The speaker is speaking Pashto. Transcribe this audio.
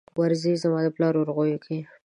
ورځې زما دپلار ورغوو کې